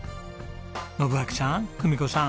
信秋さん久美子さん